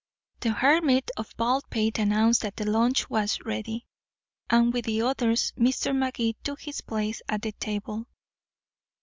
The Hermit of Baldpate announced that lunch was ready, and with the others Mr. Magee took his place at the table.